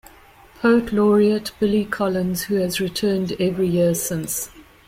Poet Laureate Billy Collins, who has returned every year since.